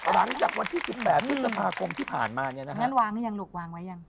หลังวันที่๑๘พฤษภาคมที่ผ่านมา